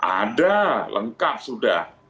ada lengkap sudah